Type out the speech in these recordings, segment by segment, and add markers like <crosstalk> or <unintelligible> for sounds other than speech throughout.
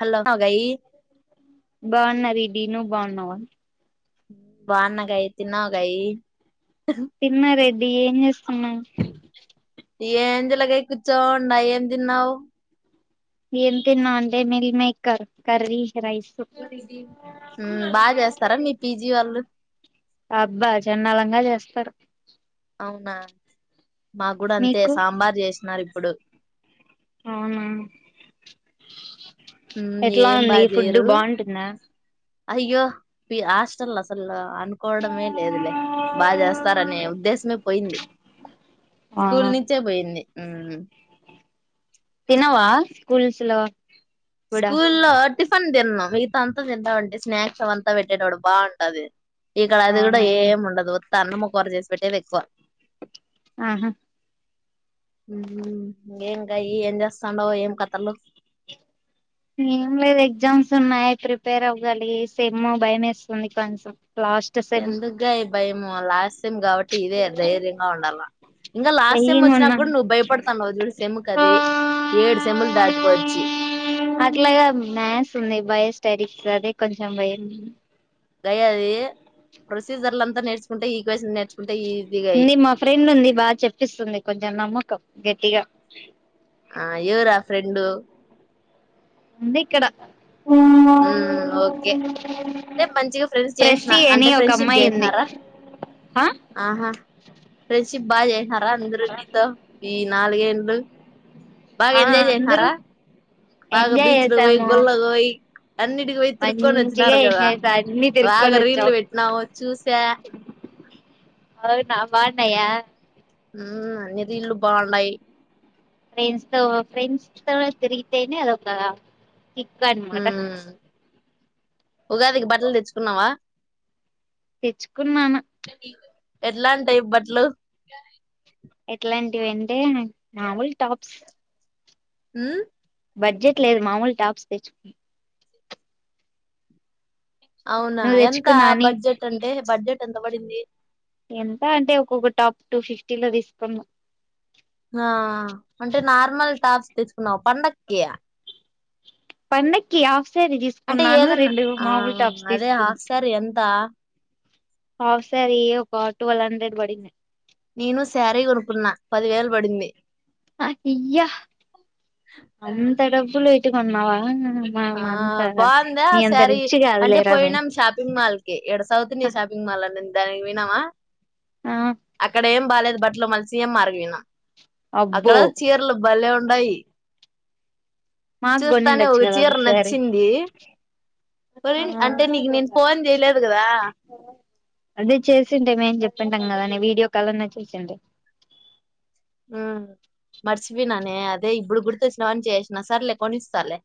Hello! గయి బాగున్నా దీదీ నువ్ బాగున్నావా బాగున్నా గయి తిన్నావా గయి తిన్నారండి. డీ ఏం చేస్తున్నావు ఏందీ జలాగి కుచ్చొంని ఉన్న ఏం తిన్నావు ఏన్ తిన్నా అంటే మిల్ మేకర్ కర్రీ రైస్ హు బాగా చేస్తారా మీ పీజీ వాళ్ళు అబ్బా చెండాలంగా చేస్తారు అవునా? మాకు కూడా అంతే మీకు సాంబార్ చేసినారు ఇప్పుడు అవునా ఎట్లా ఏం ఉంది? బాగా ఈ ఫుడ్డు చేయరు బావుంటుందా? అయ్యో పి హస్టల్ అసలు అనుకోవడమేలేదులే, బాగ జేస్తారనే దేశమే పోయింది. ఆ స్కూల్ నుంచే పోయింది. మ్ తినవా కుల్స్ లో కూడా స్కూల్ లో టిఫన్ తిన్నం. మిగతా అంత తిందామంటే స్నాక్స్ అవంతా పెట్టెటోడు బావుంటది. ఇక్కడ అది గుడ అవునా ఏమ్ ఉండదు. త అన్నము, కూర జేసి పెట్టేదే ఎక్కువ. ఆహ! ఊమ్! ఏం గయీ ఏం జేస్తాండవ్ ఏం కథలు? ఏం లేదు ఎగ్జామ్స్ ఉన్నాయి ప్రిపేర్ అవ్వాలి సెమ్ భయం వేస్తుంది కొంచం ఎందుగా ఈ భయంము లాస్ట్ టైం కాబట్టి ఇదే ధైర్యంగా ఉండాల ఇంకా లాస్ట్ టైమ్ ధైర్యంగా వచ్చినా ఉన్నాం కూడా నువ్వు భయపడతాను జుడు సెమ్కది ఏడు సెమ్ములు దాటుకోచ్చి అట్లగాద్ మ్యాథ్స్ ఉన్నయ్. బయోస్టడి అదే కొంచం భయం. దయా వీ! ప్రొసీజర్లంత నేర్చుకుంటె ఈక్వేషన్ నేర్చుకున్ ఉంది. మా ఫ్రెండ్ ఉంది బాగా చెప్పిస్తుంది కొంచం నమ్మకం గట్టిగా ఆ ఎవరా ఫ్రెండు ఉంది ఇక్కడ. మ్ ఓకే అంటే మంచిగా ఫ్రెండ్స్ చేసిన ప్రెస్సీ అని అంటే ఒక ఫ్రెండ్షిప్ అమ్మాయి ఉంది చేసినారా ఆ ఆహా ఫ్రెండ్షిప్ బాగా చేసినారా అందరు నీతో నాలుగేన్లు బాగా ఆ అందరూ ఎంజయిచేసినారా బాగా ఎంజాయ్ బీచ్లు పోయి చేసాము గుళ్ళకు పోయి అన్నిటికి పొయి, తిరుక్కొని మంచిగా వచ్చినారు గదా, ఎంజాయ్ చేసా అన్ని వాగ తిరుక్కొని వచ్చాం రీల్లు వెట్నావ్ చూశా. అవునా బాగున్నాయా ఊమ్! అన్ని రీలు బావున్నాయి. ఫ్రెండ్స్తో ఫ్రెండ్స్ తో తిరిగితేనే అది ఒక చిక్కన్, మటన్ మ్మ్ ఉగాదికి బట్టలు తెచ్చుకున్నావా? తెచ్చుకున్నాను. ఎట్లాంటాయి బట్లు ఎట్లాంటివంటే, మామూల్ టాప్స్. మ్ బడ్జెట్ లేదు మామూల్ టాప్స్ తెచ్చుకు అవునా నువ్వు ఎంతా తెచ్చుకున్నా అని బడ్జెట్ అంటే బడ్జెట్. ఏంత పడింది ఎంత అంటే ఒక్కొక్క టాప్ టూ ఫిఫ్టీ లో తీసుకున్నా ఆ అంటే నార్మల్ టాప్స్ తెచ్చుకున్నావు పండక్కి పండక్కి ఆఫ్ సారీ అంటే తీసుకున్నాను ఏదన్నా రెండు ఆ మామూలు టాప్స్ అదే తీసుకుం హాఫ్ శారీ ఎంత ఆఫ్ సారీ ఒక ట్టువల్వ్ హండ్రెడ్ బడిది నేను సారీ కొనుక్కున్నా పదివేలు పడింది ఆ ఇయ్య అంత డబ్బులు ట్టి కొన్నావా ఆ మనం అంత బాగుందా నీ అంత శారీ రిచ్ అంటే కాదులేరా మేము పోయినాం షాపింగ్ మాల్ కి ఈడ సౌత్ ఇండియా షాపింగ్ మాల్ అని ఉన్ దానికి పోయినవా ఆ అక్కడేం బాలేదు బట్లు మళ్ళ సీఎం మార్ కి పోయినా అక్కడ అబ్బో చీరలు భలే ఉ. ఉండయి మాగ్ గొనుండొచ్చు కదా టర్ నచ్చింది ఒరే హ అంటే నీకు నేను ఫోన్ చేయలేదు కదా అదే చేసిందై చెప్త ప్పంటంగనే <unintelligible> వీడియో కాల్ లోనే ఉ మర్చిపోయినానే అదే ఇప్పుడు గుర్తొచ్చినవని చేసినా సరలే కొనిస్తాలే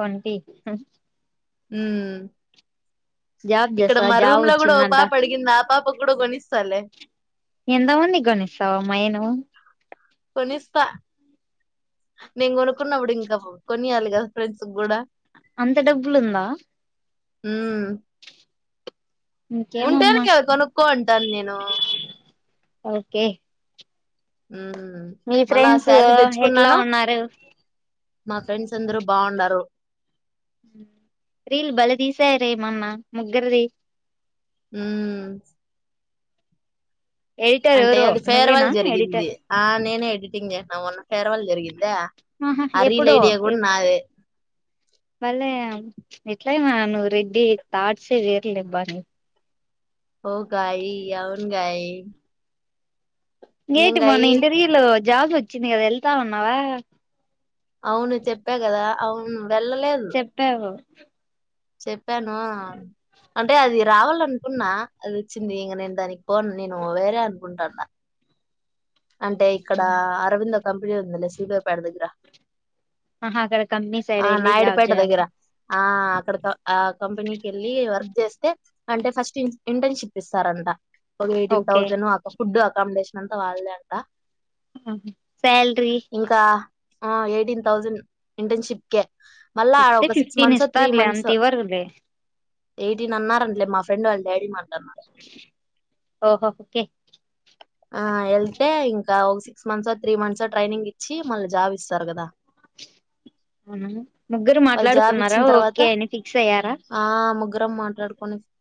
కొంటి హు ఉ జాబ్ ఇక్కడ చేస్తా మా జాబ్ రూమ్ లో కూడా ఓ వచ్చిందంట పాప అడిగింది ఆ పాప కూడా కునిస్తా స్తాలే ఎందామంది అంతమధికొనిస్తవమ్మయి నువ్ కొనిస్తా నేను కొనుక్కున్నప్పుడు ఇంకా కొనియాలి కదా ఫ్రెండ్స్ కూడా. అంత డబ్బులుందా. ఉ ఉంటాను ఇంకేమమ్మా కదా కొనుకొంటాను నేను ఒకే మ్మ్ మీ మళ్ళా ఆ ఫ్రెండ్స్ శారీ ఎట్లా తెచ్చుకున్నాను ఉన్నారు మా ఫ్రెండ్స్ అందరూ బావున్నారూ రీళ్ళు బలే తీసాయారేమొన్న ముగ్గురిది హమ్ ఎడిటర్ అంటే ఎవరో అది ఫేర్వల్ నువ్వేనా జరిగింది ఎడిటర్ ఆ నేనే ఎడిటింగ్ చేశా మొన్న ఫేర్వెల్ జరిగిందా ఉహు ఆ రీల్ ఎప్పుడో ఐడియా కూడా ఎప్ నాదే బలే అట్లయిన నువ్వు రెడ్డి థాట్స్ ఎ వేరు లేబాని ఓ గయి అవును గయి ఎన్ ఏంటి మొన్న ఇంటర్వ్యూలో జాబ్ వచ్చింది కదా వెళ్తా ఉన్నావా అవును చెప్పా కదా అవును వెళ్ళలేదు చెప్పావు. చెప్పాను అంటే అది రావాలనుకున్నా అది ఒచ్చింది ఇంక నేను దాని పోన్ నేను వేరే కుంటన్న అంటే ఇక్కడ అరవింద కంపెనీ ఉందిలే శ్రీదేవుపాడ్ దగ్గర ఆహా అక్కడ కంపెనీ సైడ్ ఆ వెళ్ళి జాబ్ నాయుడుపేట దగ్గర చేయాలని ఆ అక్కడతొ ఆ కంపెనీ కేళ్ళి వర్క్ చేస్తే అంటే ఫస్ట్ ఇంటర్న్షిప్ ఇస్తారంట ఒక eighteen okay thousand food accommodation అంతా వాళ్ళదే ట హు సాలరీ ఆ ఎయిటీన్ తోస్డండ్ ఇంటర్న్షిప్కే ఇస్తే ఫిఫ్టీన్ ఇస్తార్లే అంత ఇవర్లే ఎయిటీన్ అన్నారంటలే మా ఫ్రెండ్ వాళ్ళ డాడీ మా ఓహా ఒకే ఆ వెళ్తే ఇంకా ఒక six months three months training ఇచ్చి మళ్ళ జాబ్ ఇస్తారు కదా అవునా ముగ్గురు వాళ్ళు జాబ్ మాట్లాడుకున్నారా ఇచ్చిన తర్వాత ఓకే అని ఫిక్స్ అయ్యారా.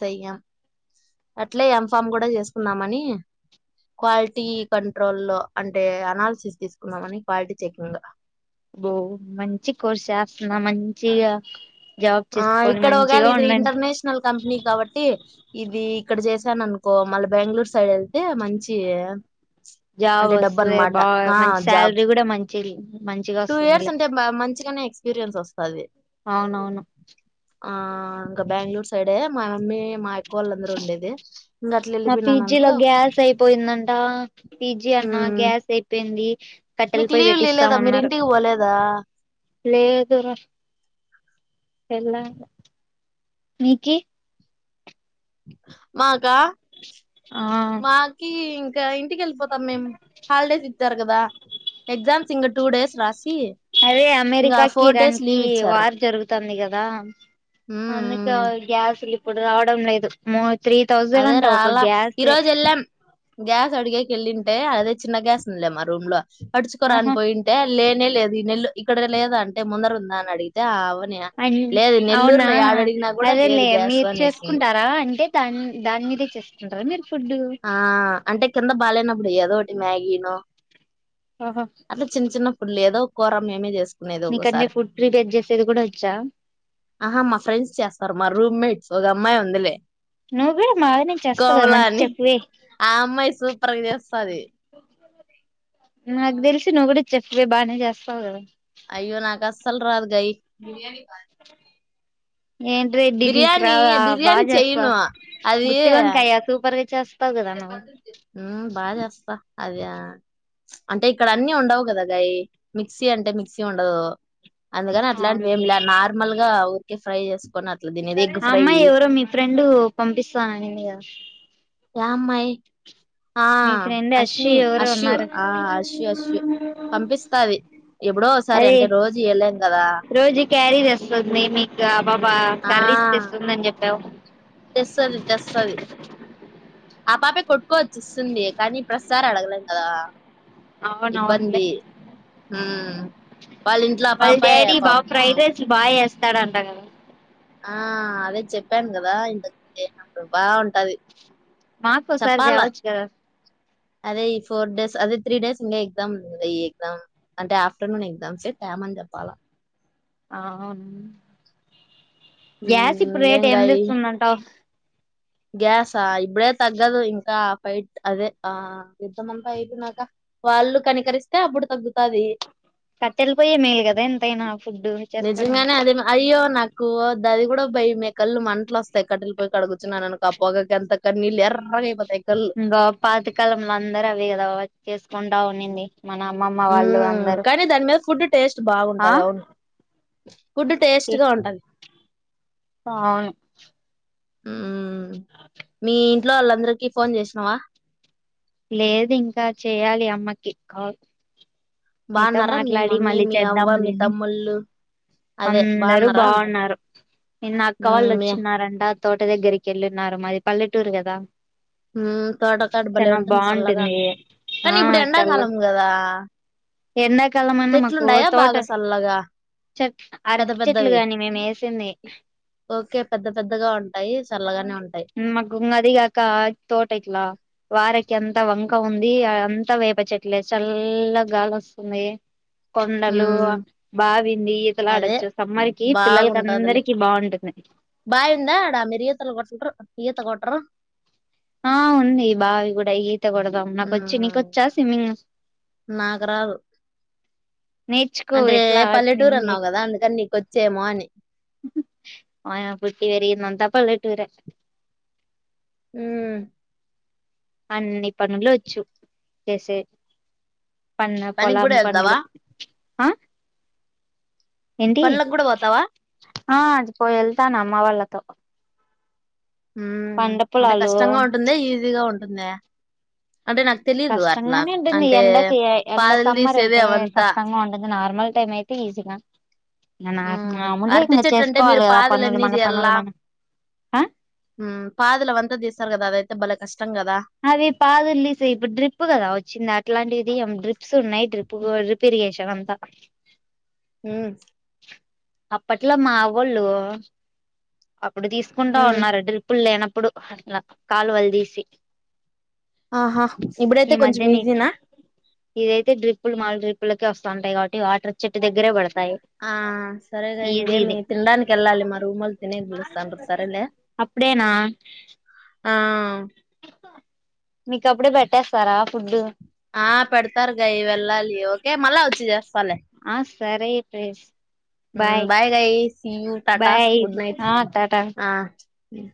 సయ్యం అట్లే ఎంఫామ్ కూడా చేసుకుందామని క్వాలిటీ కంట్రోల్లో అంటే అనాలసిస్ తీసుకున్నామని క్వాలిటీ చెకింగ్. బో మంచి కోర్స్ చేస్తున్నా మంచిగా. జాబ్ ఆ చేసుకొని ఇక్కడ ఒగేల మంచిగా ఇది ఉండండి ఇంటర్నేషనల్ కంపెనీ కాబట్టి ఇది. ఇక్కడ చేసాను అనుకో మళ్ళ బెంగళూరు సైడ్ వెళ్తే మంచి జాబ్ అంటే డబ్బు వస్తే అనమాట బా ఆ మంచి జాబ్ శాలరీ కూడా మం చేలు టూ ఇయర్స్ ఉంటే మంచిగానే ఎక్స్పీరియన్స్ వస్తది అవునవును ఆ ఇంకా బెంగళూర్ సైడే మా యమ్మీ మా వెళ్ళిపోయినాను పీజీలో అనుకో గ్యాస్ అయిపోయిందంట పీజీ అన్న ఉమ్ గ్యాస్ అయిపోయింది కట్టెల మీకు పొయ్యి లీవులీలేదా మీరు పెట్టిస్తామన్నారు ఇంటికి పోలేదా ఎలా నికి మాక్ ఇంకా ఆ మాకి ఇం ఇంక ఇంటికి వెళ్ళిపో సార్ మేమ్ హాలిడేస్ ఇస్ జరగదా ఎగ్జామ్స్ ఇంగ టూ డేస్ రాసి అదే ఇంగ అమెరికాకి ఫోర్ ఇరాన్ డేస్ కి లీవ్ ఇచ్చారు వార్ జరుగుతాంది కదా అందుకే ఉమ్ ఆయిల్ గ్యాస్లి ఇప్పుడు రావడం లేదు మోత్ త్రీ థౌజండ్ అదే అంటా ఒక రాలా ఈ గ్యాసే రోజు ఎళ్ళాం గ్యాస్ అడిగేకి ఏళ్ళింటే అదే చిన్న గ్యాస్ ఉలే మా రూమ్ లో అడుచుకోరాని ఆహా పోయింటే లే న లేదు ఈ నెల్ ఇక్కడ లేదా అంటే ముందర ఉందాని ఉమ్ అవునా నెల్లూరులో ఏడడిగినా కూడా అదే లేదు లే గ్యాస్ మీరు అనేసింది చేసుకుంటారా అంటే దాన్ దాన్ని ఉంటరా అ ఆ అంటే తిన్న బాలేనప్పుడు ఏదో ఒకటి మ్యాగీనో ఆహా అట్లా చిన్న ప్ లేదో కూర మేమే చేసుకుంటాం నేది నీకంటే ఒకోసారి ఫుడ్ ప్రిపేర్ చేసేది కూడా వచ్చా ఆహా మా ఫ్రెండ్స్ చేస్తారు మా రూమ్ మెట్స్ ఓగ అమ్మాయి ఉండే నువ్వు మావినే మంచిగ చేస్తావు కదా మంచి చెప్పవ ఆ అమ్మాయి సూపర్గా చేస్తాది నాకు తెలిసి నువ్వు కూడా చెఫ్నే బానే చేస్తావ్ కదా అయ్యో నాక అస్సలు రాదు గాయి బిర్యానీ బాగా ఏంటి రెడ్డి నీకు రాదా బాగ బిర్యానీ చెయ్యను చేస్తావ్ గుత్తి వంకాయ సూపర్గ ఉమ్ బాగా అబ్బ అద అంటే ఇక్కడ అన్ని ఉండవు కదా గాయి మిక్సీ అంటే మిక్సీ ఉండదు అందుకని అట్లాంటివి ఏమి అవునులే లే నార్మల్ గా ఉ ఫ్రై చేస్త ఆ అమ్మాయి ఎవరో మీ ఫ్రెండ్ పంపిస్తాననింది కదా యా అమ్మాయ్ ఆ మీ ఫ్రెండ్ అశ్వి అశ్విని ఎవరో అశ్యు ఉన్నారు ఆ అశ్యు అశ్యు పంపిస్తాది ఎప్పుడో ఒకసారి అదే అంటే రోజు ఈయ్యాలెం కదా రోజు క్యారీ చేస్తుంది <unintelligible> బాబా ఆ కర్రీస్ తెస్తుందని చెప్పావు తెస్తది తెస్తది ఆ పాపే కొట్టుకోవచ్చి ఇస్తుంది కానీ ప్రతి సారి అడగలేం కదా అవును అవునులే ఇబ్బంది ఉమ్ వాళ్ళ ఇంట్లో ఆ వాళ్ళ పాపాయే డాడీ బాగా పాపం ఫ్రైడ్ రైస్ బాగా చేస్తాడంట కదా ఆ అదే చెప్పాను కదా ఇంతకే అప్పుడు బాగుంటది మాకు ఓ సారి చెప్పాల తేవచ్చు కదా అదే ఈ ఫోర్ డేస్ అదే త్రీ డేస్ ఇంకా ఎగ్జామ్ ఉంది ఈ ఎగ్జామ్ అంటే ఆఫ్టర్నూన్ ఎగ్జామ్స్ <unintelligible> చెప్పాలా ఆ అవున్ గ్యాస్ ఇప్పుడు రేట్ ఇంగేంగాయి ఎందుకు ఉందంటావ్ గ్యాసా ఇప్పుడే తగ్గదు ఇంకా ఫైట్ అదే ఆ యుద్ధమంతా అయిపోనక వాళ్ళు కనికరిస్తే అప్పుడు తగ్గుతది కట్టెలా పొయ్యే మేలు కదా ఎంతైనా ఫుడ్ చేసుకోడానికి నిజంగానే అది అయ్యో నా కో అది కూడా భై మే కళ్ళు మంటలు వస్తాయి కట్టెలు పోయి కడుగుచున్నా అనుకో ఆ పోగాకి ఎంత కన్నీళ్ళు ఎర్రగా అయిపోతాయి కళ్ళు. ఇంగా పాతకాలంలో అందరు అవే కదా వాచెస్ ముండా ఉండింది మన అమ్మమ్మ వాళ్ళు అందరూ టేస్టు ఆ బాగుంటది అవును ఫుడ్ టేస్ట్గా ఉంటుంది అవును మ్ మ్ మీ ఇంట్లో వాళ్ళందరికీ ఫోన్ చేసినావా లేదు ఇంకా చెయాలి అమ్మకి కాల్ మీతో బాగున్నారా మీ మాట్లాడి మమ్మీ, మళ్ళీ మీ అవ్వ, మీ చేద్దాములేని తమ్ముళ్ళు అదే అందరూ బాగున్నారా అంటాను. బాగున్నారు న నా అక్క వాళ్ళు హ్మ్ మీ వచ్చినారంట తోట దగ్గరికి వెళ్ళున్నారు మాది పల్లెటూరు కదా ఉమ్ తోట కడ <unintelligible> బలే చానా ఉంటుంది చల్లగా బాగుంటుంది కానీ ఆ ఇప్పుడు చల్ల ఎండాకాలం కదా ఎండాకాలం అన్న మాకు చెట్లుండయా తోట బాగా చల్లగా చెట్ పెద్ద అరటి చెట్లు పెద్దవి గాని మేము వేసింది ఓకే పెద్ద పెద్దగా ఉంటాయి చల్ల <unintelligible> అది కాక తోట ఇట్లా వారికి అంత వంక ఉంది అంత వేప చెట్లే చల్ల గాలి వస్తుంది కొండలు హ్మ్ బావింది ఈతలా అదే ఆడొచ్చు సమ్మర్కి పిల్లలకి బాగుంటదిలే అందరికి బాగుంటుంది బాయి ఉందా ఆడా మీరు ఇతలూ కొటిండ్రు ఈత కొట్రరు ఆ ఉంది బావి కూడా ఈత కొడదాం నాకు వచ్చు ఉమ్, నీకొచ్చా స్విమ్మింగ్ నాకు రాదు నేర్చుకో అంటే ఎట్లా పల్లెటూరు స్విమ్మింగ్ అన్నావు కదా అందుకని నీకు వచ్చేమోని <unintelligible> అయన పుట్టి పెరిగింనంతా పళ్ళటూరే మ్ అన్ని పనులు వచ్చు చేసే పన్న పనికి పొలం కూడా వెళ్తావా పనులు ఆ ఏంటి పనులకు గూడా పోతావా ఆ అది పోయి వెళ్తాను అమ్మ వాళ్ళతో మ్ పంట అంటే పొలాలు కష్టంగా ఉంటుందా ఈజీగా ఉం <unintelligible> కష్టంగానే ఉంటుంది ఎండకి ఎండ పాదలు సమ్మర్ తీసేది అయితే అవంతా కష్టంగా ఉంటుంది నార్ మల్ టైమ్ అయితే ఈజీగా ఊమ్ నార్మూలే అర్టి ఇంకా చెట్టంటే మీరు చేసుకోవాలి కదా పనులు పాదులన్ని మన తీయ్యాల పనులు మనం ఆ ఊమ్ పాదులు అవంతా తీస్తారు కదా అదై భలె కష్ అవి పాదుల్ తీసి ఇప్పుడు డ్రిప్ కదా వచ్చింది అట్లాంటిది డ్రిప్స్ ఉన్నాయి డ్రిప్ ర్రిప్ ఇరిగేషన్ అంత <unintelligible> మ్ అప్పట్లో మా అవ్వోళ్ళు తీసుకుంటా ఉమ్, ఉన్నారు డిప్పులు లేన ప్పుడు న కాలువల్ తీసి ఆహా ఈ ఇప్పుడైతే మధ్య కొంచెం ని ఈజీనా ఇదైతే డ్రిప్పులు మాల డ్రిప్పుల వస్తా ఉంటాయి కాబటి వాటర్ చెట్టు దగ్గర పడు ఆ సరేగా ఇంగేమి తినడానికి కెళ్ళాలి మా రూమోల్లు తినేకి పిలుస్తాండారు సరేలే అప్పుడేనా ఆ కప్పుడే పెట్టేస్తారా ఫుడ్ ఆ పెడతారు గ ఇవెల్లాలి ఓకే మళ్ళ వచ్చి జేస్తాలే ఆ సరే ప్రేస్ మ్ bye guys see you tata bye good night ఆ టాటా ఆ లే